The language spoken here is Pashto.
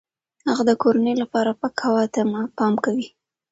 هغه د کورنۍ لپاره پاک هوای ته پام کوي.